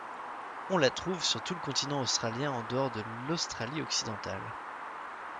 On la trouve sur tout le continent australien en dehors de l'Australie occidentale.